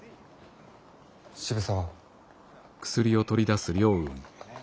渋沢。